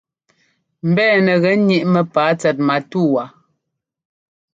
Mbɛ̂nɛ gɛ́ níʼ mɛ́pǎa tsɛt matúwa.